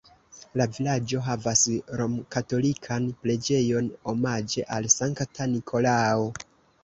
La vilaĝo havas romkatolikan preĝejon omaĝe al Sankta Nikolao.